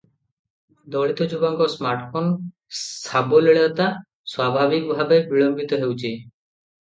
ଦଳିତ ଯୁବାଙ୍କ ସ୍ମାର୍ଟଫୋନ ସାବଲୀଳତା ସ୍ୱାଭାବିକ ଭାବେ ବିଳମ୍ବିତ ହେଉଛି ।